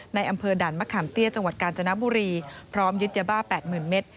ในอำเภอด่านมะขามเตี้ยจังหวัดกาญจนบุรีพร้อมยึดยาบ้า๘๐๐๐เมตร